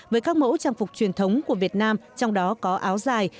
với các mẫu trang phục truyền thống của việt nam trong đó có áo dài